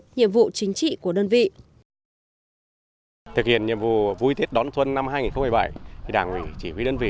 nhiệm vụ chính trị của đơn vị